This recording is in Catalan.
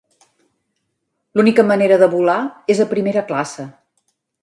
L'única manera de volar és a primera classe